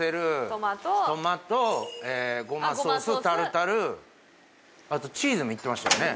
トマトトマトゴマソースタルタルあとチーズもいってましたよね